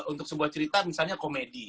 untuk sebuah cerita misalnya komedi